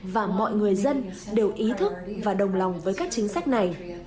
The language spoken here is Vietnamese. và mọi người dân đều ý thức và đồng lòng với các chính sách này